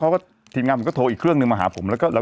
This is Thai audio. เพราะว่าทีมงานผมก็โทรอีกเครื่องหนึ่งมาหาผมแล้วก็